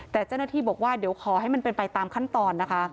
แต่เจ้าหน้าที่บอกว่าเดี๋ยวขอให้มันเป็นไปตามขั้นตอนนะคะ